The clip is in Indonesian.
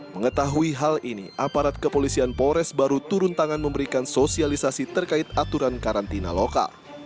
mengetahui hal ini aparat kepolisian polres baru turun tangan memberikan sosialisasi terkait aturan karantina lokal